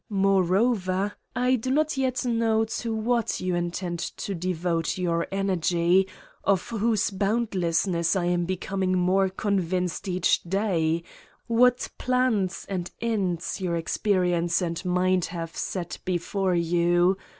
Moreover, I do not yet know to what you intend to devote your energy, of whose boundless ness I am becoming more convinced each day; what plans and ends your experience and mind have set before you.